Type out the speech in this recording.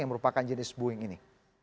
yang merupakan jenis boeing ini